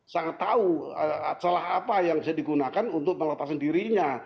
sangat tahu celah apa yang bisa digunakan untuk melepaskan dirinya